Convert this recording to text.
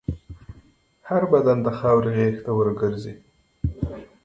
هر بدن د خاورې غېږ ته ورګرځي.